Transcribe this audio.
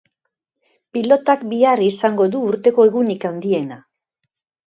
Pilotak bihar izango du urteko egunik handiena.